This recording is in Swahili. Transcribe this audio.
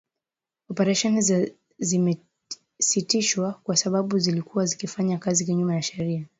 Oparesheni za zimesitishwa kwa sababu zilikuwa zikifanya kazi kinyume cha sheria